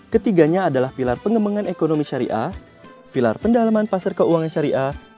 ketiganya adalah pilar pengembangan ekonomi syariah pilar pendalaman pasar keuangan syariah